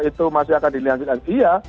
itu masih akan dilihat iya